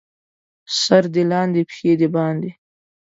سر دې لاندې، پښې دې باندې.